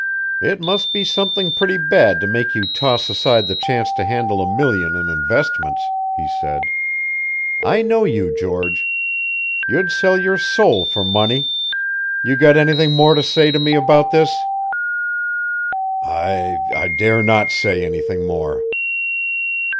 "It must be something pretty bad to make you toss aside the chance to handle a million in investments," he said. "I know you, George! You'd sell your soul for money! You got anything more to say to me about this?" "I I dare not say anything more."